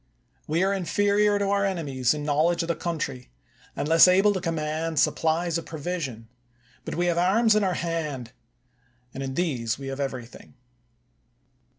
We are , inferior to our enemies in knowledge of the coun try, and less able to command supplies of pro vision ; but we have arms in our hands, and in these we have everything.